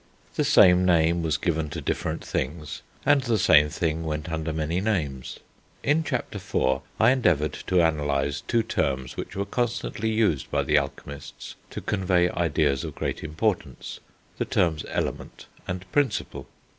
The same name was given to different things, and the same thing went under many names. In Chapter IV. I endeavoured to analyse two terms which were constantly used by the alchemists to convey ideas of great importance, the terms Element and Principle.